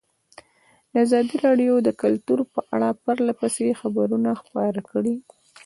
ازادي راډیو د کلتور په اړه پرله پسې خبرونه خپاره کړي.